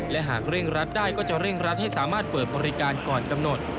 และหากเร่งรัดได้ก็จะเร่งรัดให้สามารถเปิดบริการก่อนกำหนด